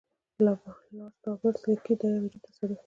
لارډ رابرټس لیکي دا یو عجیب تصادف دی.